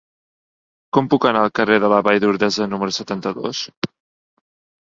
Com puc anar al carrer de la Vall d'Ordesa número setanta-dos?